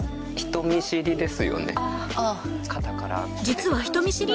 実は人見知り？